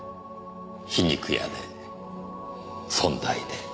皮肉屋で尊大で。